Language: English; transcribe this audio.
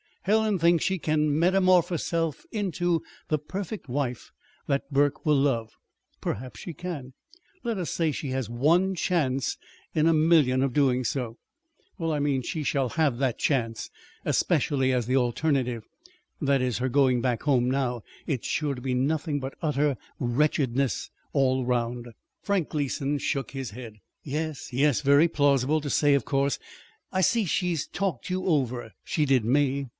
Helen thinks she can metamorphose herself into the perfect wife that Burke will love. Perhaps she can. Let us say she has one chance in a million of doing so; well, I mean she shall have that chance, especially as the alternative that is, her going back home now is sure to be nothing but utter wretchedness all round." Frank Gleason shook his head. "Yes, yes, very plausible to say, of course. I see she's talked you over. She did me.